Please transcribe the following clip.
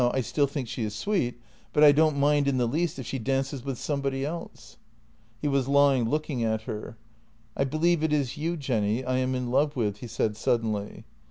I still think she is sweet, but I don't mind in the least if she dances with somebody else." He was lying looking at her: " I believe it is you, Jenny, I am in love with," he said suddenly.